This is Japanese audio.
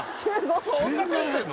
そんな食ってんの？